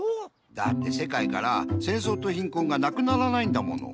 だってせかいからせんそうとひんこんがなくならないんだもの。